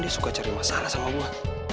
dia suka cari masalah sama umat